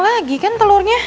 lagi kan telurnya